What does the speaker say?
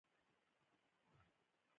د یو اجتماعي فورم په توګه منظم کار وکړي.